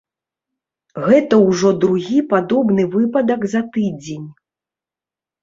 Гэта ўжо другі падобны выпадак за тыдзень.